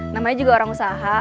namanya juga orang usaha